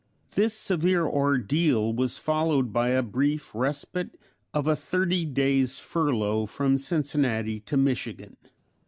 This severe ordeal was followed by a brief respite of a thirty days' furlough from Cincinnati to Michigan.